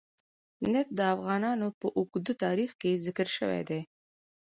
نفت د افغانستان په اوږده تاریخ کې ذکر شوی دی.